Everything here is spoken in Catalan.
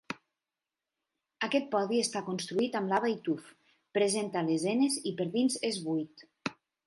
Aquest podi està construït amb lava i tuf, presenta lesenes i per dins és buit.